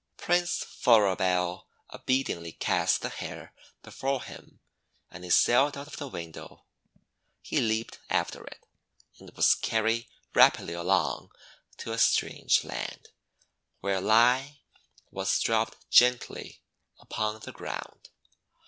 Prince Floribel obediently cast the hair before him, and it sailed out of the window. He leaped after it, and was carried rapidly along to a 260 THE WONDER GARDEN strange land, where lie was dropped gently upon the ground.